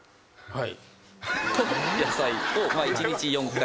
はい。